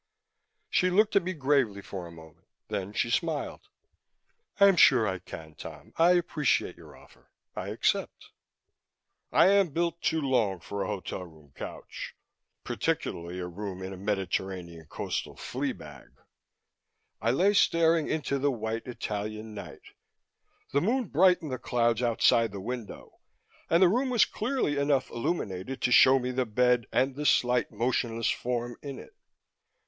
She looked at me gravely for a moment. Then she smiled. "I'm sure I can, Tom. I appreciate your offer. I accept." I am built too long for a hotel room couch, particularly a room in a Mediterranean coastal fleabag. I lay staring into the white Italian night; the Moon brightened the clouds outside the window, and the room was clearly enough illuminated to show me the bed and the slight, motionless form in it.